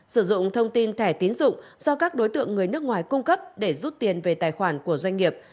sử dụng thông tin thẻ tiến dụng do các đối tượng người nước ngoài cung cấp để rút tiền về tài khoản của doanh nghiệp